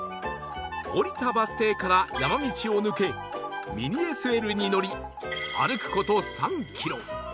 降りたバス停から山道を抜けミニ ＳＬ に乗り歩く事３キロ